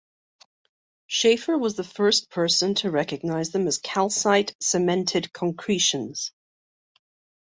Shaffer was the first person to recognize them as calcite-cemented concretions.